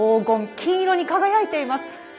金色に輝いています。